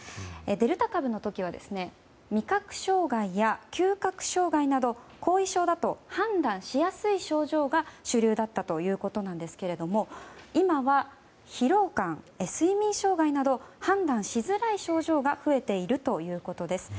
デルタ株の時は味覚障害や嗅覚障害など後遺症だと判断しやすい症状が主流だったということですが今は疲労感、睡眠障害など判断しづらい症状が増えているということです。